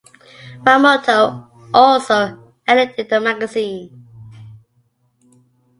Iwamoto also edited the magazine.